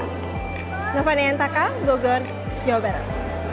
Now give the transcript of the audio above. ngova ndang yantaka gogor jawa barat